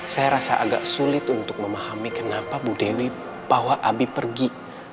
saya rasa agak sulit untuk memahami kenapa bu dewi bawa abi pergi